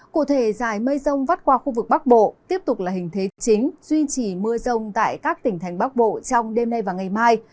cụ thể dài mây rông vắt qua khu vực bắc bộ tiếp tục là hình thế chính duy trì mưa rông tại các tỉnh thành bắc bộ trong đêm nay và ngày mai